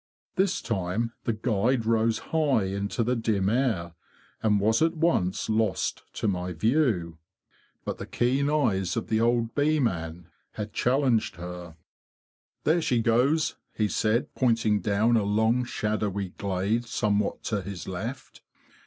This time the guide rose high into the dim air, and was at once lost to my view. But THE BEE HUNTERS 77 ins keen eyes of the old bee man had challenged ler, "There she goes! "? he said, pointing down a long shadowy glade somewhat to his left.